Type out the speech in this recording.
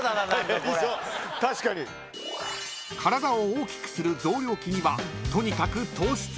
［体を大きくする増量期にはとにかく糖質］